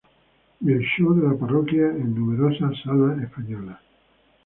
Y "El Show de la Parroquia" en numerosas salas españolas.